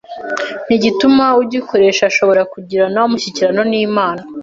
Ntigituma ugikoresha ashobora kugirana umushyikirano n’Imana